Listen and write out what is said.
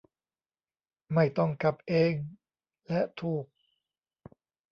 ไม่ต้องขับเอง และถูก